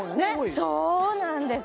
そうなんです